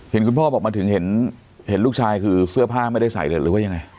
คุณพ่อบอกมาถึงเห็นลูกชายคือเสื้อผ้าไม่ได้ใส่เลยหรือว่ายังไง